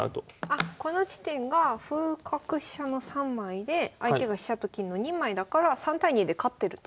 あこの地点が歩角飛車の３枚で相手が飛車と金の２枚だから３対２で勝ってると。